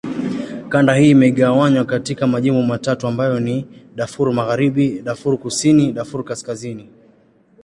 Kanda hii imegawanywa katika majimbo matatu ambayo ni: Darfur Magharibi, Darfur Kusini, Darfur Kaskazini.